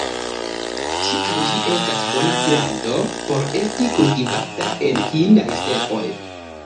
Tial ĝi estas bona planto por esti kultivata en hindaj stepoj.